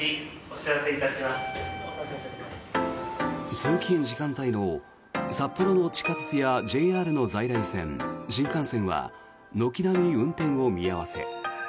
通勤時間帯の札幌の地下鉄やＪＲの在来線、新幹線は軒並み運転を見合わせ。